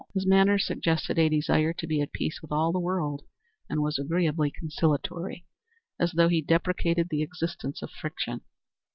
His manner suggested a desire to be at peace with all the world and was agreeably conciliatory, as though he deprecated the existence of friction.